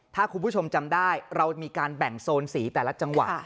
ถ้าคุณผู้ชมจำได้เรามีการแบ่งโซนสีแต่ละจังหวะ